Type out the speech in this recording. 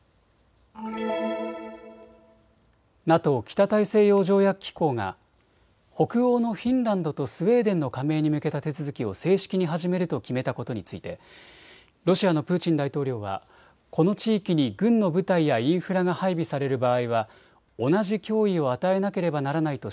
ＮＡＴＯ・北大西洋条約機構が北欧のフィンランドとスウェーデンの加盟に向けた手続きを正式に始めると決めたことについてロシアのプーチン大統領はこの地域に軍の部隊やインフラが配備される場合は同じ脅威を与えなければならないと